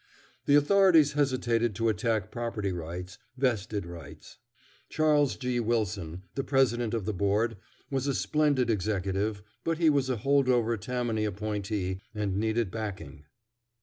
The authorities hesitated to attack property rights, vested rights. Charles G. Wilson, the President of the Board, was a splendid executive, but he was a holdover Tammany appointee, and needed backing.